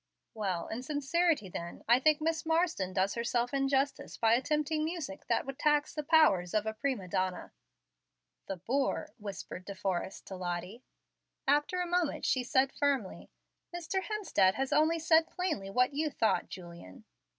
"Well, in sincerity then, I think Miss Marsden does herself injustice by attempting music that would tax the powers of a prima donna." "The boor!" whispered De Forrest to Lottie. After a moment she said firmly, "Mr. Hemstead has only said plainly what you thought, Julian."